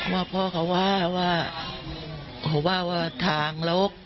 ว่าพ่อเขาว่าว่าเขาว่าว่าทางลก